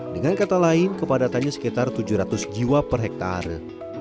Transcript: dengan kata lain kepadatannya sekitar tujuh ratus jiwa per hektare